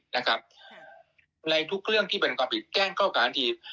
นะครับในทุกเรื่องที่เป็นความผิดแจ้งเข้าการที